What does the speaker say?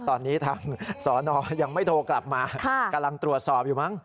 ตอนนี้ทางสอนอยังไม่โทรกลับมากำลังตรวจสอบอยู่มั้ง